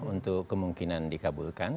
untuk kemungkinan dikabulkan